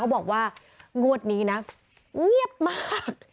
บอกว่างวดนี้นะเงียบมาก